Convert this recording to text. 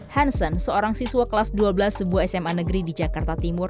hansen seorang siswa kelas dua belas sebuah sma negeri di jakarta timur